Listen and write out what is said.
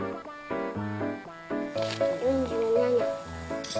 ４７。